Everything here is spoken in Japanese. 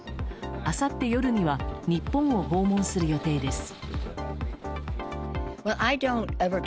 あさって夜には日本を訪問する予定です。